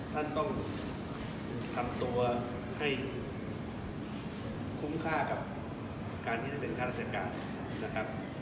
ท่านต้องทำตัวให้คุ้มค่ากับการที่จะเป็นข้าราชการนะครับ